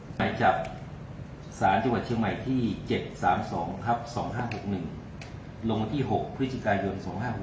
หมายจับสารจังหวัดเชียงใหม่ที่๗๓๒๒๕๖๑ลงที่๖พฤศจิกายน๒๕๖๑